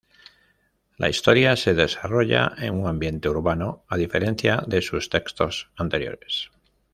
La historia se desarrolla en un ambiente urbano a diferencia de sus textos anteriores.